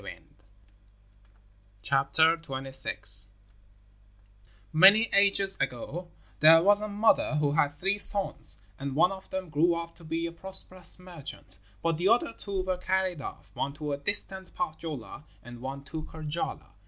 ] KULLERVO'S BIRTH Many ages ago there was a mother who had three sons, and one of them grew up to be a prosperous merchant, but the other two were carried off one to distant Pohjola and one to Karjala.